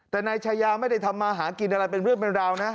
แต่นายชายาไม่ได้ทำมาหากินอะไรเป็นเรื่องเป็นราวนะ